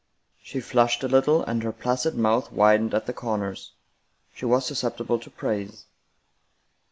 She flushed a little, and her placid mouth widened at the corners. She was susceptible to praise.